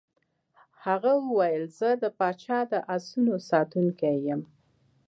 هغه وویل چې زه د پاچا د آسونو ساتونکی یم.